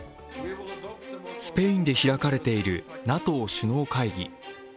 スペインで開かれているＮＡＴＯ首脳会議。